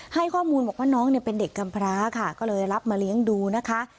ให้ข้อมูลบอกว่าน้องเนี่ยเป็นเด็กกำพร้าค่ะก็เลยรับมาเลี้ยงดูนะคะ